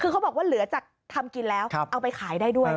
คือเขาบอกว่าเหลือจากทำกินแล้วเอาไปขายได้ด้วย